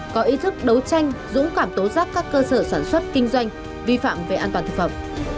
có ý thức đấu tranh dũng cảm tố giác các cơ sở sản xuất kinh doanh vi phạm về an toàn thực phẩm